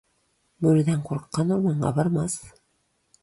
Бүредән курыккан урманга бармас.